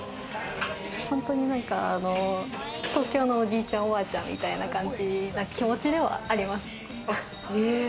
本当に東京のおじいちゃん、おばあちゃんみたいな感じな気持ちではあります。